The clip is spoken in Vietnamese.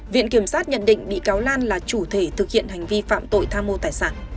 viện kiểm sát nhận định bị cáo lan là chủ thể thực hiện hành vi phạm tội tham mô tài sản